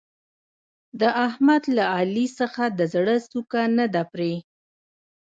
د احمد له علي څخه د زړه څوکه نه ده پرې.